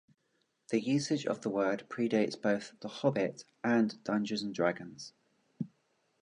This usage of the word pre-dates both "The Hobbit" and "Dungeons and Dragons".